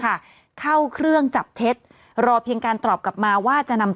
ค่ะเข้าเครื่องจับเท็จรอเพียงการตอบกลับมาว่าจะนำ